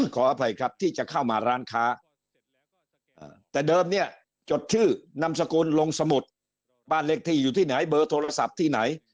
ขออภัยครับที่จะเข้ามาร้านค้าแต่เดิมเนี่ยจดชื่อนามสกุลลงสมุดบ้านเลขที่อยู่ที่ไหนเบอร์โทรศัพท์ที่ไหน